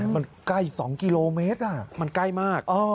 มันใกล้๒กิโลเมตรมันใกล้มาก